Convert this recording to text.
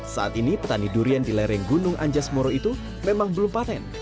saat ini petani durian di lereng gunung anjas moro itu memang belum panen